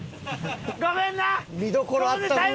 ごめんな。